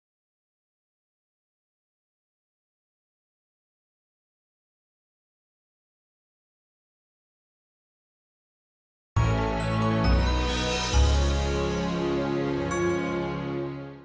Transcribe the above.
ketua ketua yang akan mundur sebagai ketua